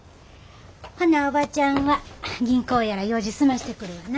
ほなおばちゃんは銀行やら用事済ましてくるわな。